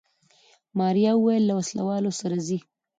ماريا وويل له وسله والو سره ځي.